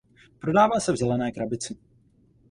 Prodává se v zelené krabici.